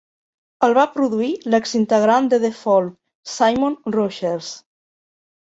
El va produir l'exintegrant de The Fall, Simon Rogers.